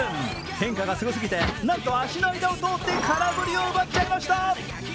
変化がすごすぎてなんと足の間を通って空振りを奪っちゃいました。